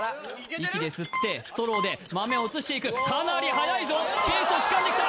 息で吸ってストローで豆を移していくかなりはやいぞペースをつかんできた